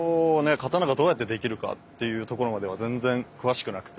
刀がどうやってできるかっていうところまでは全然詳しくなくて。